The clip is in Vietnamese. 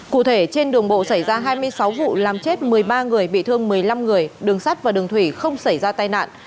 cụ thể trên đường bộ xảy ra hai mươi sáu vụ làm chết một mươi ba người bị thương một mươi năm người đường sắt và đường thủy không xảy ra tai nạn